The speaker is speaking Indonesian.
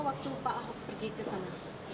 waktu pak ahok pergi ke sana